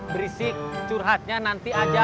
berisik curhatnya nanti aja